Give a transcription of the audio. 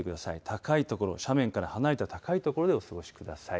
高い所、斜面から離れた高い所でお過ごしください。